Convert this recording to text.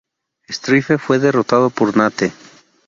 Stryfe fue derrotado por Nate.